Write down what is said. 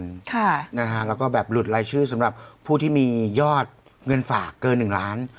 ค่ะนะฮะแล้วก็แบบหลุดรายชื่อสำหรับผู้ที่มียอดเงินฝากเกินหนึ่งล้าน